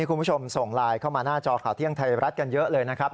คุณผู้ชมส่งไลน์เข้ามาหน้าจอข่าวเที่ยงไทยรัฐกันเยอะเลยนะครับ